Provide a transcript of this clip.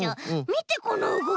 みてこのうごき！